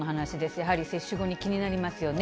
やはり接種後に気になりますよね。